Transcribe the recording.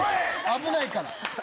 危ないから。